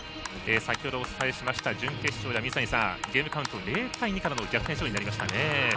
先ほどお伝えしました準決勝ではゲームカウント０対２からの逆転勝利になりましたね。